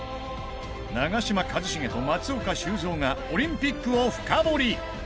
長嶋一茂と松岡修造がオリンピックを深掘り！